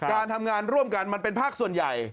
การทำงานร่วมกันมันเป็นภาคส่วนใหญ่